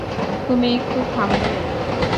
তুমি একটু থামবে।